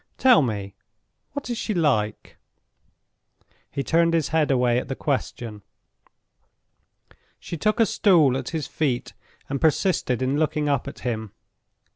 Tell me; what is she like?" He turned his head away at the question. She took a stool at his feet, and persisted in looking up at him.